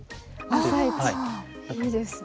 朝市いいですね。